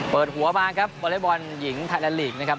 เปิดหัวมาครับวอเล็กบอลหญิงไทยแลนดลีกนะครับ